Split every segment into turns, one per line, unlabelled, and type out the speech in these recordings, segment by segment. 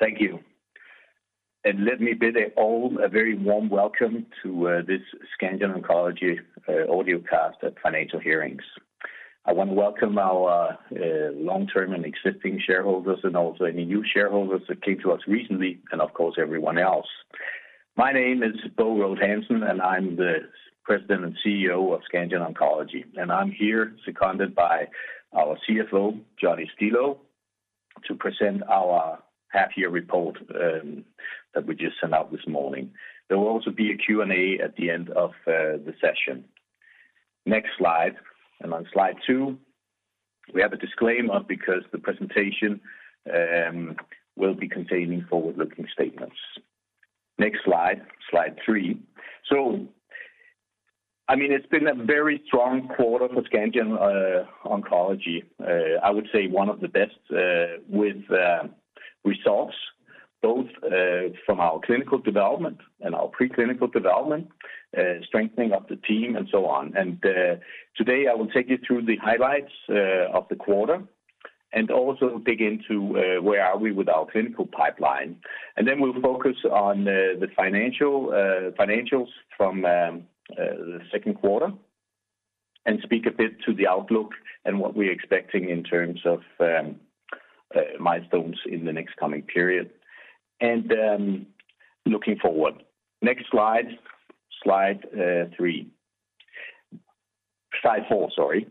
Thank you. Let me bid all a very warm welcome to this Scandion Oncology audiocast at financial hearings. I want to welcome our long-term and existing shareholders, and also any new shareholders that came to us recently, and of course, everyone else. My name is Bo Rode Hansen, and I'm the President and CEO of Scandion Oncology. I'm here seconded by our CFO, Johnny Stilou, to present our half-year report that we just sent out this morning. There will also be a Q&A at the end of the session. Next slide. On slide two, we have a disclaimer because the presentation will be containing forward-looking statements. Next slide, slide three. It's been a very strong quarter for Scandion Oncology. I would say one of the best with results, both from our clinical development and our pre-clinical development, strengthening of the team, and so on. Today, I will take you through the highlights of the quarter and also dig into where are we with our clinical pipeline. Then we'll focus on the financials from the second quarter and speak a bit to the outlook and what we're expecting in terms of milestones in the next coming period and looking forward. Next slide, slide three. Slide four, sorry.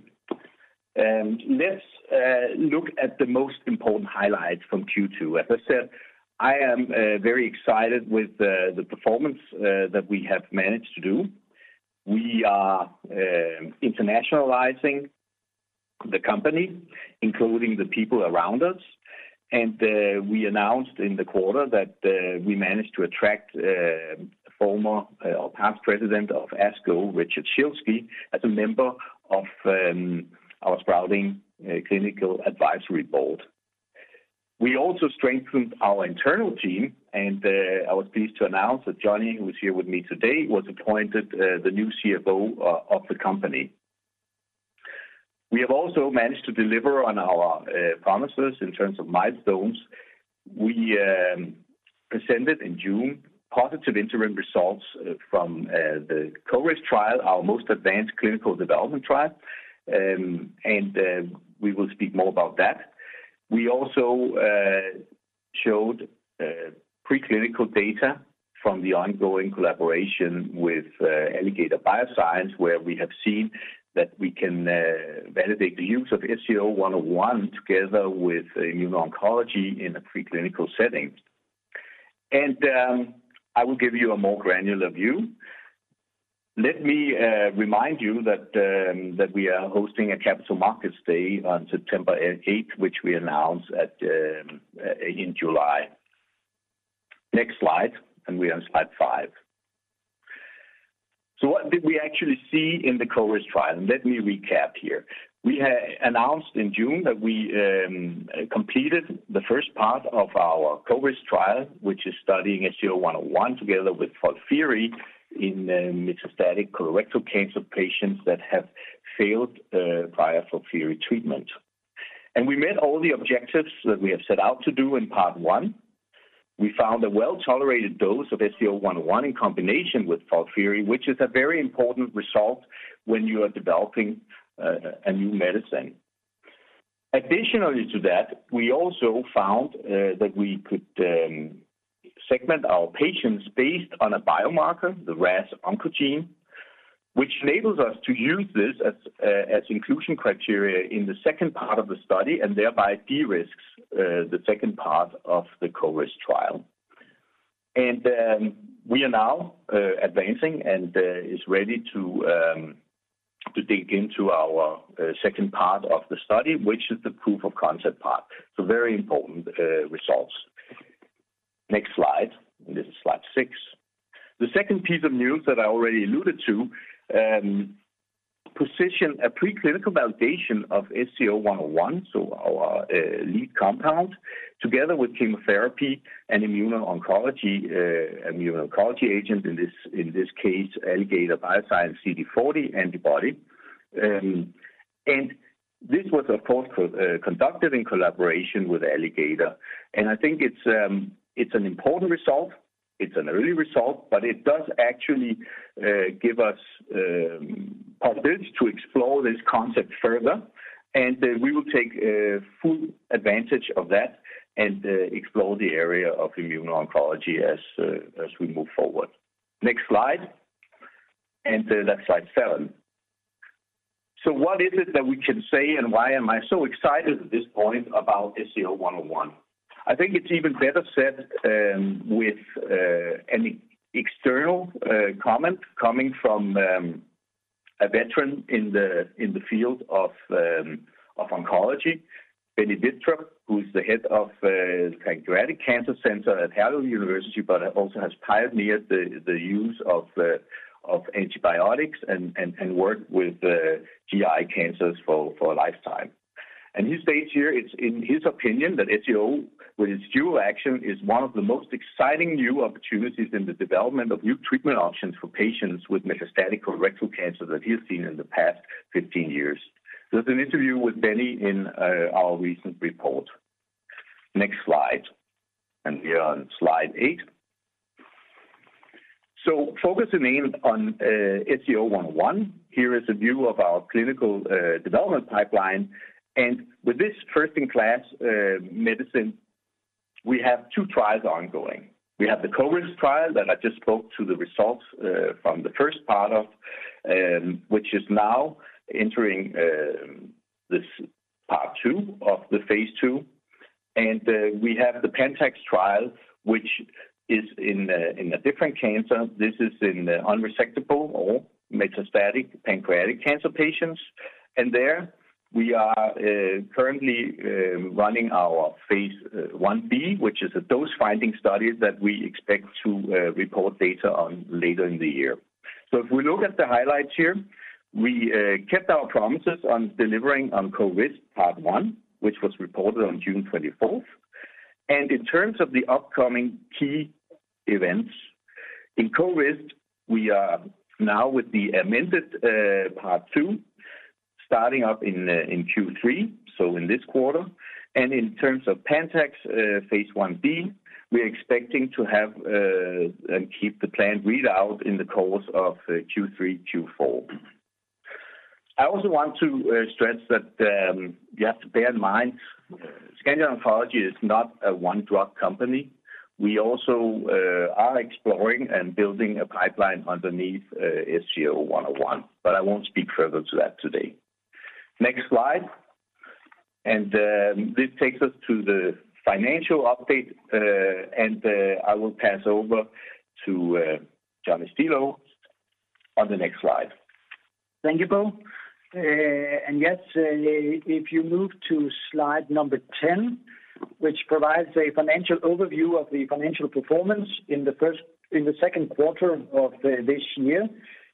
Let's look at the most important highlights from Q2. As I said, I am very excited with the performance that we have managed to do. We are internationalizing the company, including the people around us, and we announced in the quarter that we managed to attract former or past President of ASCO, Richard Schilsky, as a member of our sprouting Clinical Advisory Board. We also strengthened our internal team. I was pleased to announce that Johnny, who is here with me today, was appointed the new CFO of the company. We have also managed to deliver on our promises in terms of milestones. We presented in June positive interim results from the CORIST trial, our most advanced clinical development trial, and we will speak more about that. We also showed pre-clinical data from the ongoing collaboration with Alligator Bioscience, where we have seen that we can validate the use of SCO-101, together with immuno-oncology in a pre-clinical setting. I will give you a more granular view. Let me remind you that we are hosting a capital markets day on September 8th, which we announced in July. Next slide. We're on slide five. What did we actually see in the CORIST trial? Let me recap here. We announced in June that we completed the first part of our CORIST trial, which is studying SCO-101 together with FOLFIRI in metastatic colorectal cancer patients that have failed prior FOLFIRI treatment. We met all the objectives that we have set out to do in part one. We found a well-tolerated dose of SCO-101 in combination with FOLFIRI, which is a very important result when you are developing a new medicine. Additionally to that, we also found that we could segment our patients based on a biomarker, the RAS oncogene, which enables us to use this as inclusion criteria in the second part of the study, and thereby de-risks the second part of the CORIST trial. We are now advancing and is ready to dig into our second part of the study, which is the proof of concept part. Very important results. Next slide. This is slide six. The second piece of news that I already alluded to, position a pre-clinical validation of SCO-101, so our lead compound, together with chemotherapy and immuno-oncology agent, in this case, Alligator Bioscience CD40 antibody. This was, of course, conducted in collaboration with Alligator, and I think it's an important result. It's an early result, but it does actually give us purpose to explore this concept further, and we will take full advantage of that and explore the area of immuno-oncology as we move forward. Next slide. That's slide seven. What is it that we can say and why am I so excited at this point about SCO-101? I think it's even better said with an external comment coming from a veteran in the field of oncology, Benny Vittrup, who's the Head of Pancreatic Cancer Center at Herlev University, but also has pioneered the use of antibiotics and work with GI cancers for a lifetime. He states here, it's in his opinion that SCO-101 with its dual action is one of the most exciting new opportunities in the development of new treatment options for patients with metastatic colorectal cancer that he has seen in the past 15 years. There's an interview with Benny in our recent report. Next slide. We are on slide eight. Focusing in on SCO-101, here is a view of our clinical development pipeline. With this first-in-class medicine, we have two trials ongoing. We have the CORIST trial that I just spoke to the results from the first part of, which is now entering this part two of the phase II, and we have the PANTAX trial, which is in a different cancer. This is in unresectable or metastatic pancreatic cancer patients. There we are currently running our phase I-B, which is a dose-finding study that we expect to report data on later in the year. If we look at the highlights here, we kept our promises on delivering on CORIST part one, which was reported on June 24th. In terms of the upcoming key events, in CORIST, we are now with the amended part two starting up in Q3, so in this quarter. In terms of PANTAX phase I-B, we are expecting to have and keep the planned readout in the course of Q3, Q4. I also want to stress that you have to bear in mind, Scandion Oncology is not a one-drug company. We also are exploring and building a pipeline underneath SCO-101, but I won't speak further to that today. Next slide. This takes us to the financial update, and I will pass over to Johnny Stilou on the next slide.
Thank you, Bo. Yes, if you move to slide number 10, which provides a financial overview of the financial performance in the second quarter of this year,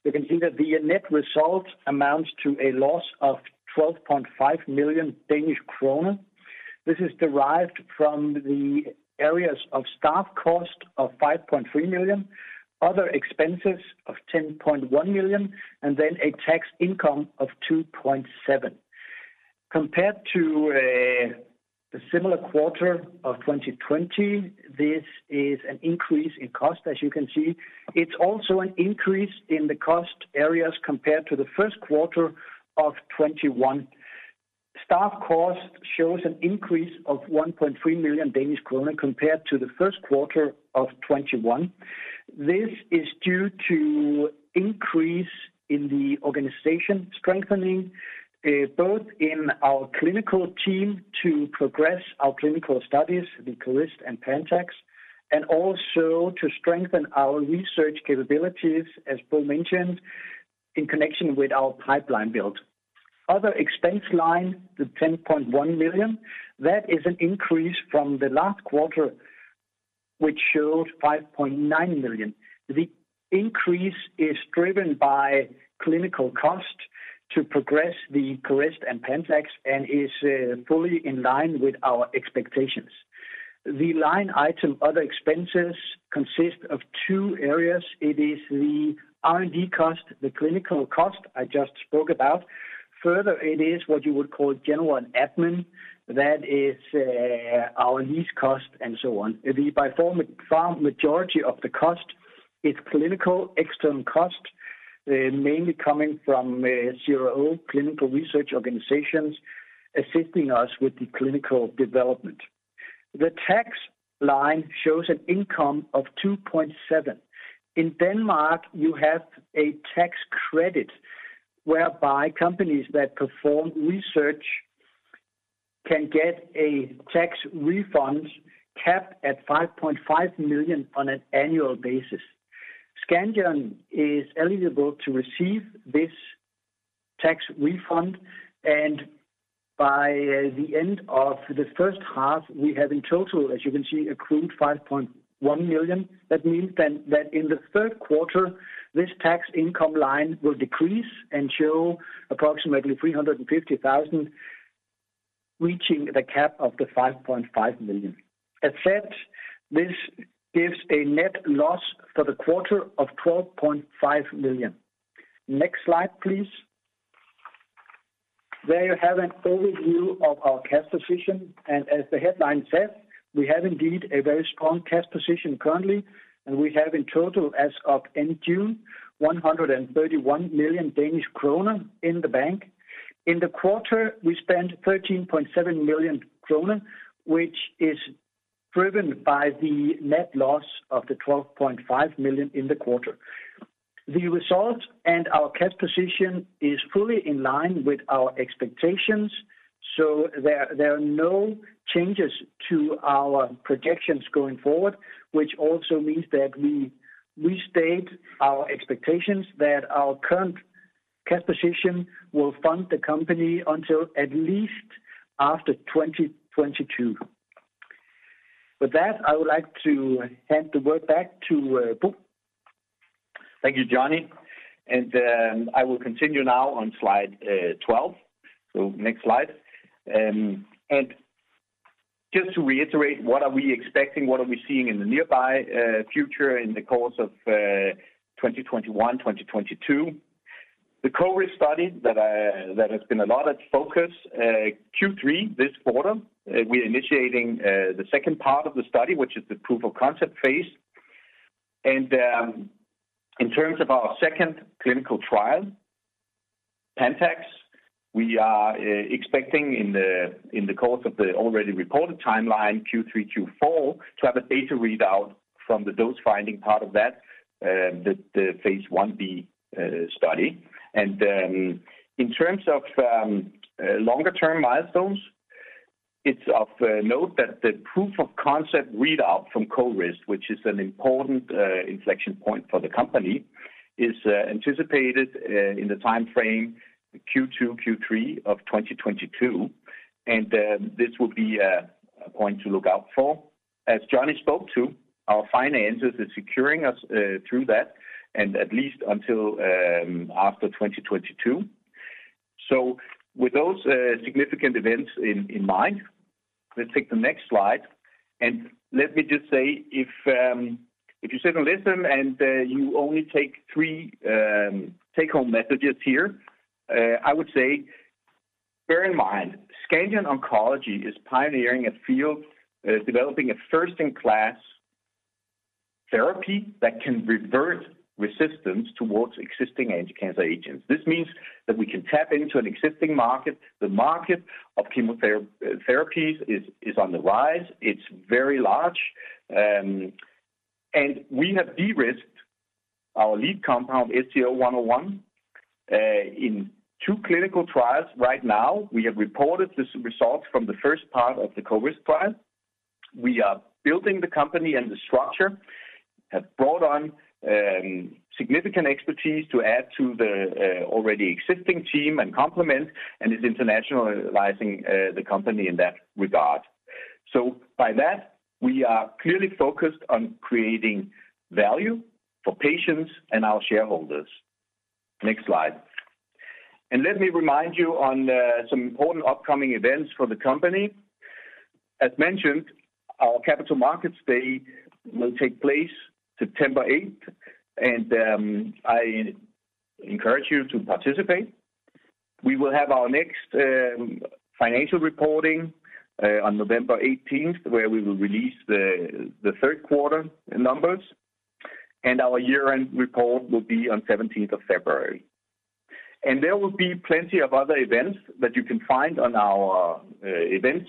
you can see that the net result amounts to a loss of 12.5 million Danish kroner. This is derived from the areas of staff cost of 5.3 million, other expenses of 10.1 million, and then a tax income of 2.7 million. Compared to a similar quarter of 2020, this is an increase in cost, as you can see. It's also an increase in the cost areas compared to the first quarter of 2021. Staff cost shows an increase of 1.3 million Danish kroner compared to the first quarter of 2021. This is due to increase in the organization strengthening, both in our clinical team to progress our clinical studies, the CORIST and PANTAX, and also to strengthen our research capabilities, as Bo mentioned, in connection with our pipeline build. The other expense line, the 10.1 million, that is an increase from the last quarter, which showed 5.9 million. The increase is driven by clinical cost to progress the CORIST and PANTAX and is fully in line with our expectations. The line item other expenses consist of two areas. It is the R&D cost, the clinical cost I just spoke about. Further, it is what you would call general and admin. That is our lease cost and so on. By far majority of the cost is clinical external cost, mainly coming from CRO, clinical research organizations, assisting us with the clinical development. The tax line shows an income of 2.7 million. In Denmark, you have a tax credit whereby companies that perform research can get a tax refund capped at 5.5 million on an annual basis. Scandion is eligible to receive this tax refund. By the end of the first half, we have in total, as you can see, accrued 5.1 million. That means that in the third quarter, this tax income line will decrease and show approximately 350,000, reaching the cap of the 5.5 million. As said, this gives a net loss for the quarter of 12.5 million. Next slide, please. There you have an overview of our cash position. As the headline says, we have indeed a very strong cash position currently. We have in total as of end June, 131 million Danish kroner in the bank. In the quarter, we spent 13.7 million kroner, which is driven by the net loss of 12.5 million in the quarter. The result and our cash position is fully in line with our expectations. There are no changes to our projections going forward, which also means that we restate our expectations that our current cash position will fund the company until at least after 2022. With that, I would like to hand the work back to Bo.
Thank you, Johnny. I will continue now on slide 12. Next slide. Just to reiterate, what are we expecting? What are we seeing in the nearby future in the course of 2021, 2022? The CORIST study that has been a lot of focus, Q3 this quarter, we are initiating the second part of the study, which is the proof of concept phase. In terms of our second clinical trial, PANTAX, we are expecting in the course of the already reported timeline, Q3, Q4, to have a data readout from the dose-finding part of that, the phase I-B study. In terms of longer-term milestones, it's of note that the proof of concept readout from CORIST, which is an important inflection point for the company, is anticipated in the timeframe Q2, Q3 of 2022. This will be a point to look out for. As Johnny spoke to, our finances are securing us through that, and at least until after 2022. With those significant events in mind, let's take the next slide, and let me just say, if you sit and listen and you only take three take-home messages here, I would say bear in mind, Scandion Oncology is pioneering a field, developing a first-in-class therapy that can revert resistance towards existing anti-cancer agents. This means that we can tap into an existing market. The market of chemotherapies is on the rise. It's very large. We have de-risked our lead compound, SCO-101, in two clinical trials right now. We have reported the results from the first part of the CORIST trial. We are building the company and the structure, have brought on significant expertise to add to the already existing team and complement, and is internationalizing the company in that regard. By that, we are clearly focused on creating value for patients and our shareholders. Next slide. Let me remind you on some important upcoming events for the company. As mentioned, our Capital Markets Day will take place September 8th, and I encourage you to participate. We will have our next financial reporting on November 18th, where we will release the third quarter numbers, and our year-end report will be on 17th of February. There will be plenty of other events that you can find on our event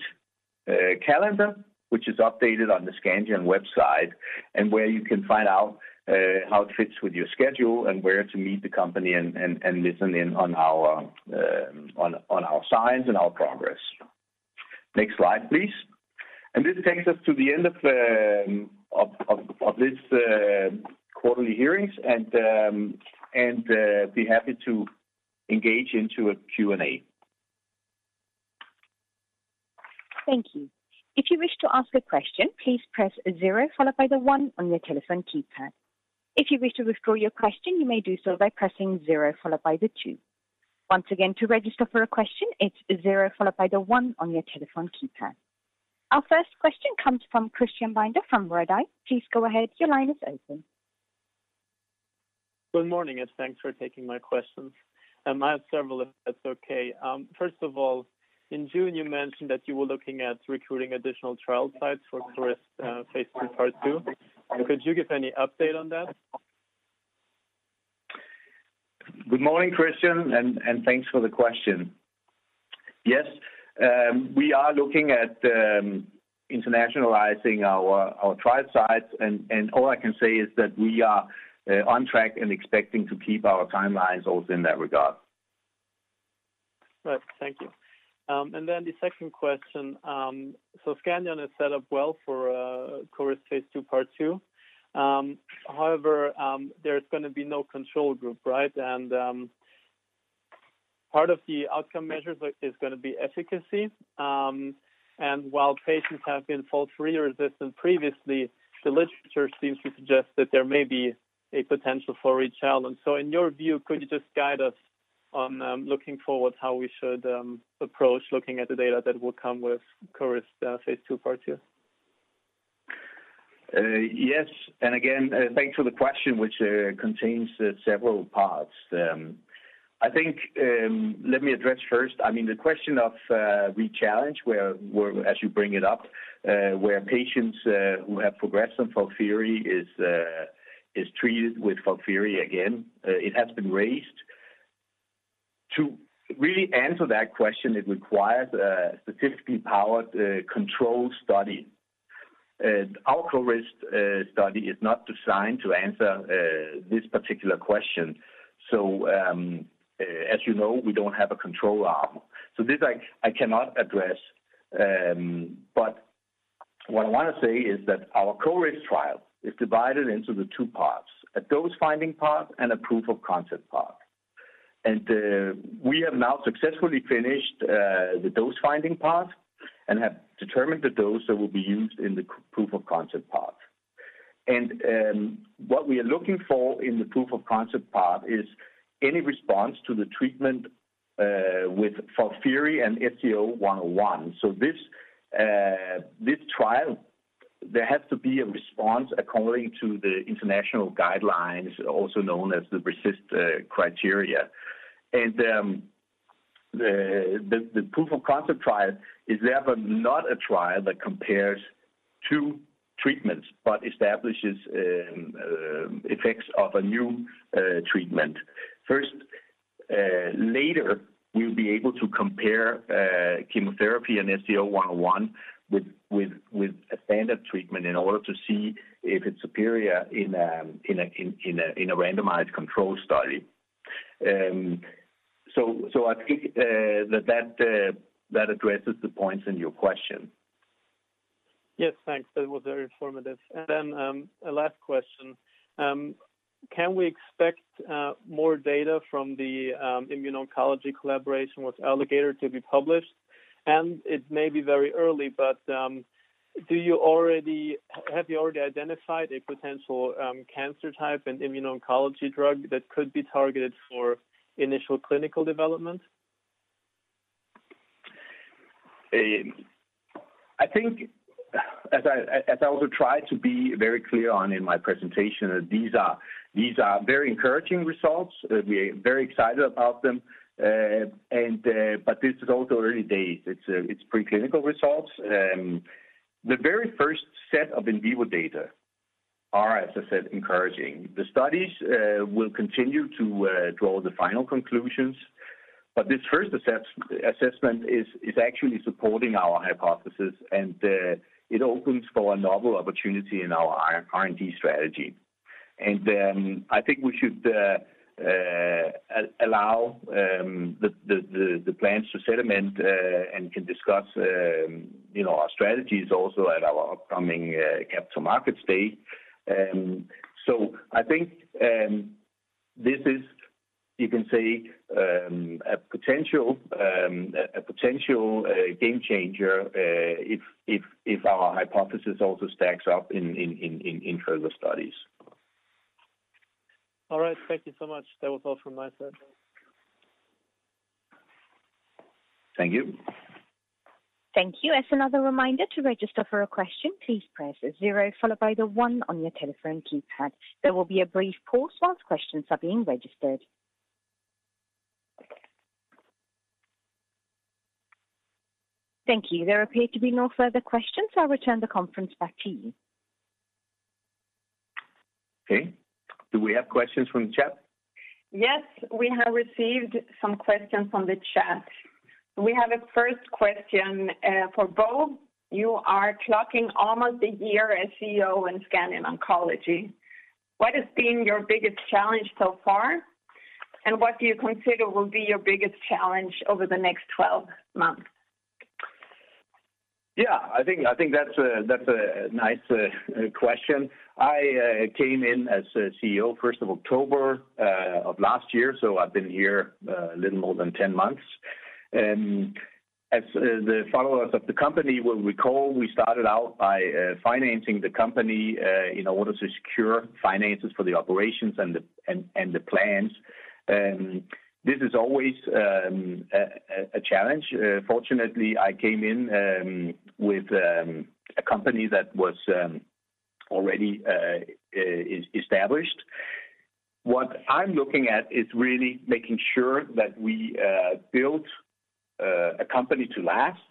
calendar, which is updated on the Scandion website, and where you can find out how it fits with your schedule and where to meet the company and listen in on our science and our progress. Next slide, please. This takes us to the end of this quarterly hearings, and be happy to engage into a Q&A.
Thank you. If you wish to ask a question, please press zero followed by the one on your telephone keypad. If you wish to withdraw your question, you may do so by pressing zero followed by the two. Once again, to register for a question, it's zero followed by the one on your telephone keypad. Our first question comes from Christian Binder from Redeye. Please go ahead. Your line is open.
Good morning. Thanks for taking my questions. I have several, if that's okay. First of all, in June you mentioned that you were looking at recruiting additional trial sites for CORIST phase II part two. Could you give any update on that?
Good morning, Christian. Thanks for the question. Yes, we are looking at internationalizing our trial sites. All I can say is that we are on track and expecting to keep our timelines also in that regard.
Right. Thank you. The second question. Scandion is set up well for CORIST phase II part two. However, there's going to be no control group, right? Part of the outcome measures is going to be efficacy, and while patients have been FOLFIRI resistant previously, the literature seems to suggest that there may be a potential for re-challenge. In your view, could you just guide us on looking forward how we should approach looking at the data that will come with CORIST phase II part two?
Yes. Again, thanks for the question which contains several parts. Let me address first, the question of re-challenge, as you bring it up, where patients who have progressed on FOLFIRI is treated with FOLFIRI again, it has been raised. To really answer that question, it requires a statistically powered control study. Our CORIST study is not designed to answer this particular question. As you know, we don't have a control arm. This I cannot address, but what I want to say is that our CORIST trial is divided into the two parts, a dose-finding part and a proof of concept part. We have now successfully finished the dose-finding part and have determined the dose that will be used in the proof of concept part. What we are looking for in the proof of concept part is any response to the treatment for FOLFIRI and SCO-101. This trial, there has to be a response according to the international guidelines, also known as the RECIST criteria. The proof of concept trial is therefore not a trial that compares two treatments but establishes effects of a new treatment. First, later, we'll be able to compare chemotherapy and SCO-101 with a standard treatment in order to see if it's superior in a randomized control study. I think that addresses the points in your question.
Yes, thanks. That was very informative. A last question. Can we expect more data from the immuno-oncology collaboration with Alligator to be published? It may be very early, but have you already identified a potential cancer type and immuno-oncology drug that could be targeted for initial clinical development?
I think, as I also tried to be very clear on in my presentation, these are very encouraging results. We are very excited about them. This is also early days. It's preclinical results. The very first set of in vivo data are, as I said, encouraging. The studies will continue to draw the final conclusions, but this first assessment is actually supporting our hypothesis, and it opens for a novel opportunity in our R&D strategy. I think we should allow the plans to sediment and can discuss our strategies also at our upcoming Capital Markets Day. I think this is, you can say, a potential game changer if our hypothesis also stacks up in further studies.
All right. Thank you so much. That was all from my side.
Thank you.
Thank you. As another reminder, to register for a question, please press zero followed by the one on your telephone keypad. There will be a brief pause whilst questions are being registered. Thank you. There appear to be no further questions. I'll return the conference back to you.
Okay. Do we have questions from the chat?
Yes, we have received some questions from the chat. We have a first question for Bo. You are clocking almost a year as CEO in Scandion Oncology. What has been your biggest challenge so far, and what do you consider will be your biggest challenge over the next 12 months? Yeah, I think that's a nice question. I came in as CEO 1st of October of last year, so I've been here a little more than 10 months. As the followers of the company will recall, we started out by financing the company in order to secure finances for the operations and the plans. This is always a challenge. Fortunately, I came in with a company that was already established. What I'm looking at is really making sure that we build a company to last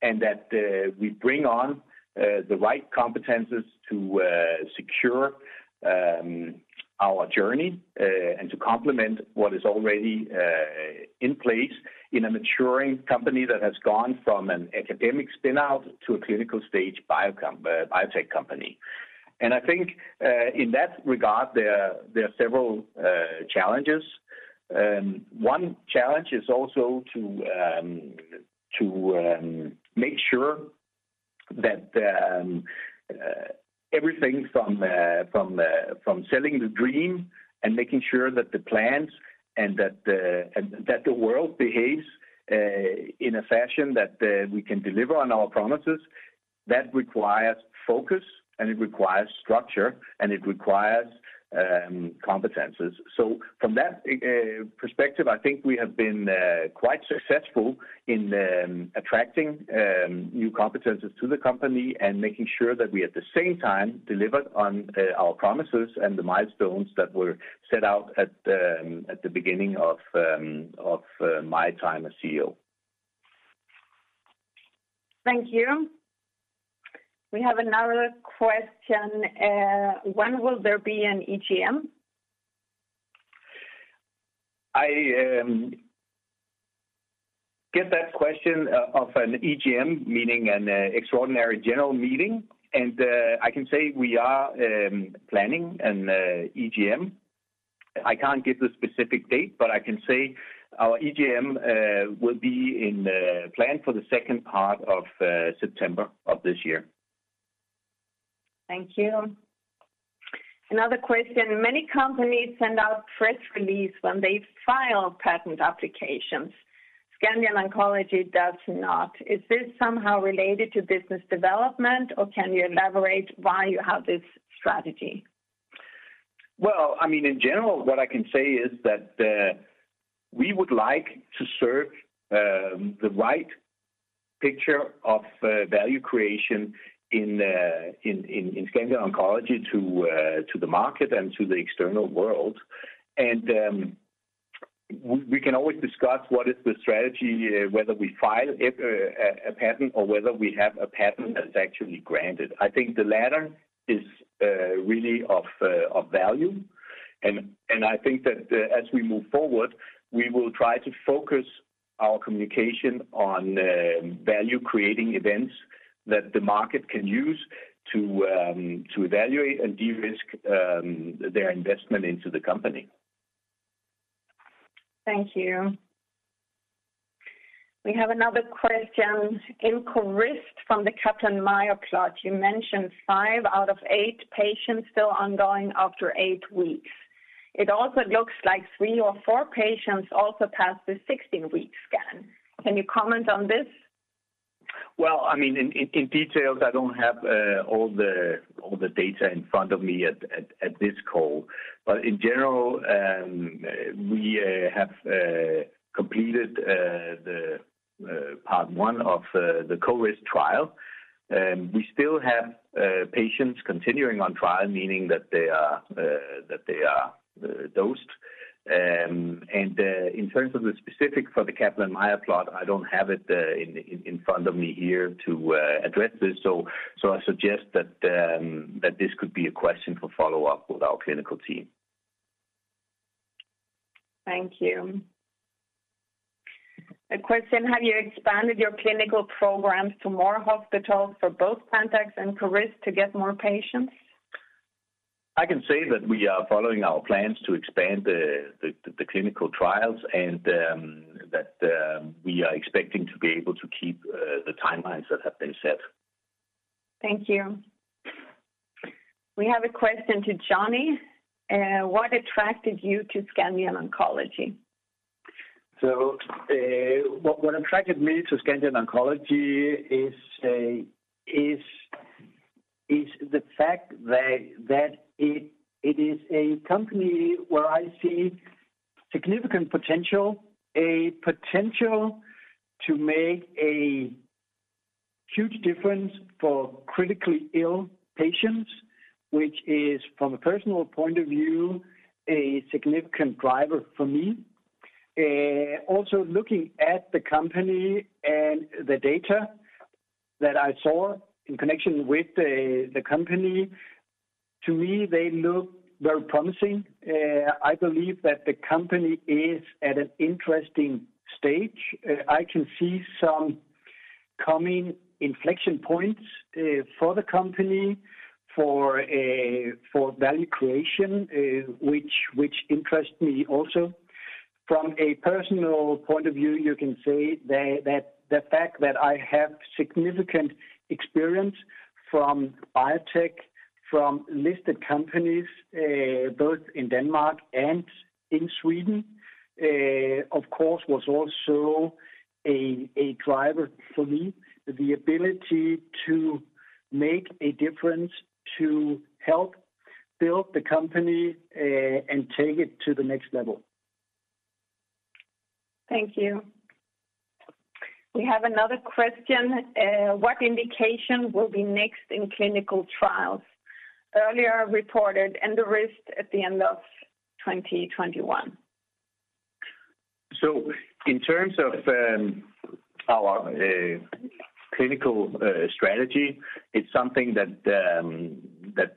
and that we bring on the right competencies to secure our journey and to complement what is already in place in a maturing company that has gone from an academic spin-out to a clinical stage biotech company. I think in that regard, there are several challenges.
One challenge is also to make sure that everything from selling the dream and making sure that the plans and that the world behaves in a fashion that we can deliver on our promises. That requires focus, and it requires structure, and it requires competencies. From that perspective, I think we have been quite successful in attracting new competencies to the company and making sure that we, at the same time, delivered on our promises and the milestones that were set out at the beginning of my time as CEO.
Thank you. We have another question. When will there be an EGM? I get that question of an EGM, meaning an extraordinary general meeting. I can say we are planning an EGM. I can't give the specific date. I can say our EGM will be in plan for the second part of September of this year. Thank you. Another question, many companies send out press release when they file patent applications. Scandion Oncology does not. Is this somehow related to business development, or can you elaborate why you have this strategy? Well, in general, what I can say is that we would like to serve the right picture of value creation in Scandion Oncology to the market and to the external world. We can always discuss what is the strategy, whether we file a patent or whether we have a patent that's actually granted. I think the latter is really of value. I think that as we move forward, we will try to focus our communication on value-creating events that the market can use to evaluate and de-risk their investment into the company. Thank you. We have another question. In CORIST from the Kaplan-Meier plot, you mentioned five out of eight patients still ongoing after eight weeks. It also looks like three or four patients also passed the 16-week scan. Can you comment on this? In details, I don't have all the data in front of me at this call. In general, we have completed part one of the CORIST trial. We still have patients continuing on trial, meaning that they are dosed. In terms of the specific for the Kaplan-Meier plot, I don't have it in front of me here to address this. I suggest that this could be a question for follow-up with our clinical team. Thank you. A question, have you expanded your clinical programs to more hospitals for both PANTAX and CORIST to get more patients? I can say that we are following our plans to expand the clinical trials and that we are expecting to be able to keep the timelines that have been set. Thank you. We have a question to Johnny. What attracted you to Scandion Oncology?
What attracted me to Scandion Oncology is the fact that it is a company where I see significant potential, a potential to make a huge difference for critically ill patients, which is, from a personal point of view, a significant driver for me. Also looking at the company and the data that I saw in connection with the company, to me, they look very promising. I believe that the company is at an interesting stage. I can see some coming inflection points for the company for value creation, which interests me also. From a personal point of view, you can say that the fact that I have significant experience from biotech, from listed companies, both in Denmark and in Sweden, of course, was also a driver for me. The ability to make a difference, to help build the company, and take it to the next level.
Thank you. We have another question. What indication will be next in clinical trials? Earlier reported, ENDORISK at the end of 2021. In terms of our clinical strategy, it's something that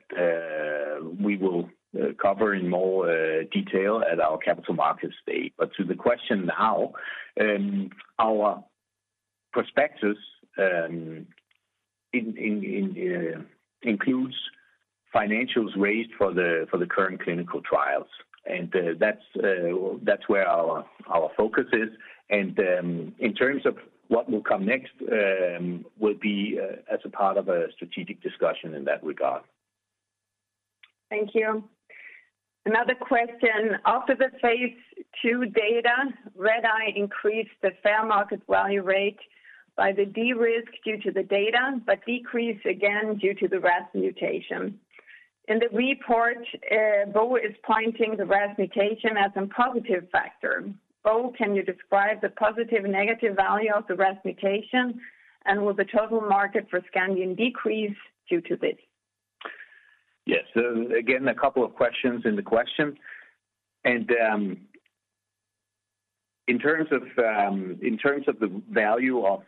we will cover in more detail at our capital market stage. To the question now, our prospectus includes financials raised for the current clinical trials, and that's where our focus is. In terms of what will come next, will be as a part of a strategic discussion in that regard. Thank you. Another question. After the phase II data, Redeye increased the fair market value rate by the de-risk due to the data, but decreased again due to the RAS mutation. In the report, Bo is pointing the RAS mutation as a positive factor. Bo, can you describe the positive and negative value of the RAS mutation, and will the total market for Scandion decrease due to this?
Yes. Again, a couple of questions in the question. In terms of the value of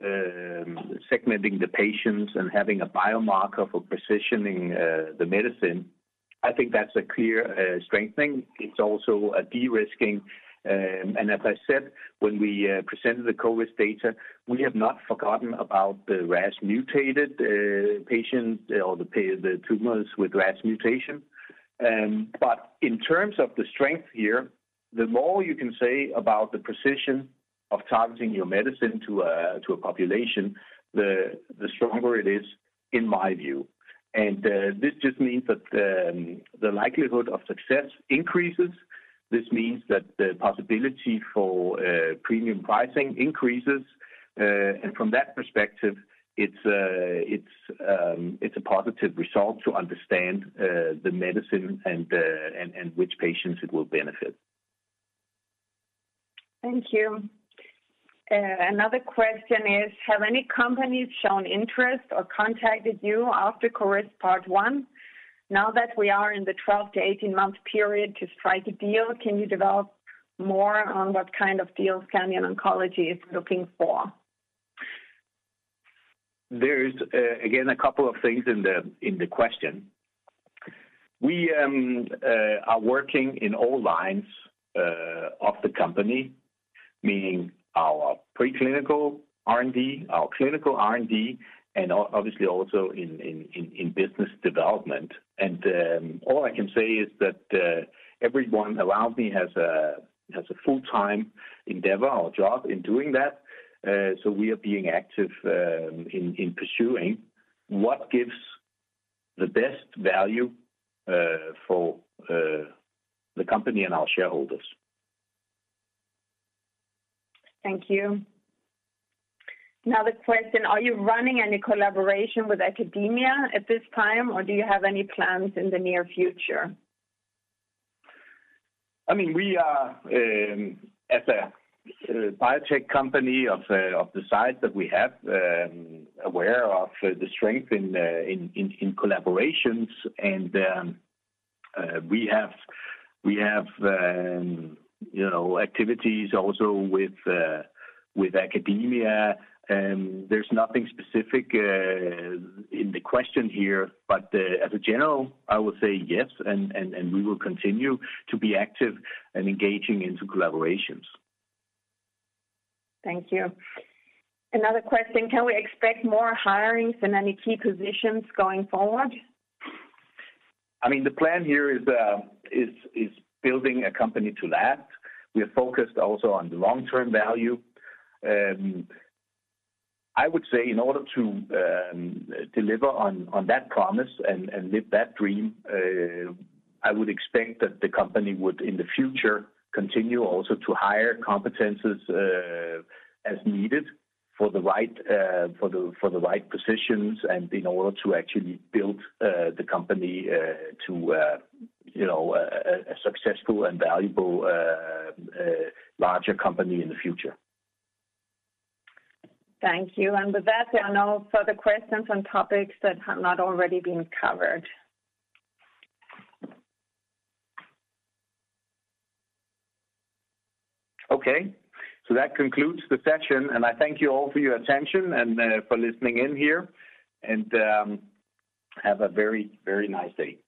segmenting the patients and having a biomarker for precisioning the medicine, I think that's a clear strengthening. It's also a de-risking, and as I said when we presented the CORIST data, we have not forgotten about the RAS-mutated patient or the tumors with RAS mutation. In terms of the strength here, the more you can say about the precision of targeting your medicine to a population, the stronger it is in my view. This just means that the likelihood of success increases. This means that the possibility for premium pricing increases. From that perspective, it's a positive result to understand the medicine and which patients it will benefit.
Thank you. Another question is: Have any companies shown interest or contacted you after CORIST part one? Now that we are in the 12-18 month period to strike a deal, can you develop more on what kind of deals Scandion Oncology is looking for? There is, again, a couple of things in the question. We are working in all lines of the company, meaning our pre-clinical R&D, our clinical R&D, and obviously also in business development. All I can say is that everyone around me has a full-time endeavor or job in doing that. We are being active in pursuing what gives the best value for the company and our shareholders. Thank you. Another question: Are you running any collaboration with academia at this time, or do you have any plans in the near future? We are, as a biotech company of the size that we have, aware of the strength in collaborations and we have activities also with academia. There is nothing specific in the question here. As a general, I would say yes. We will continue to be active and engaging into collaborations. Thank you. Another question: Can we expect more hirings in any key positions going forward? The plan here is building a company to last. We are focused also on the long-term value. I would say in order to deliver on that promise and live that dream, I would expect that the company would, in the future, continue also to hire competencies as needed for the right positions and in order to actually build the company to a successful and valuable larger company in the future. Thank you. With that, there are no further questions on topics that have not already been covered.
Okay. That concludes the session, and I thank you all for your attention and for listening in here. Have a very nice day.